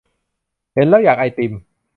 เห็นแล้วอยากไอติม